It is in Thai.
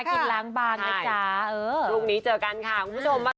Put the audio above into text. ทุกวันนี้เจอกันค่ะคุณผู้ชม